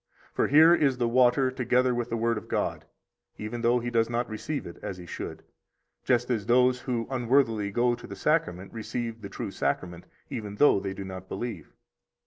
For here is the water together with the Word of God, even though he does not receive it as he should, just as those who unworthily go to the Sacrament receive the true Sacrament, even though they do not believe.